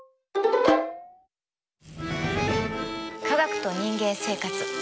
「科学と人間生活」